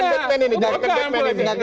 bukan ke batman ini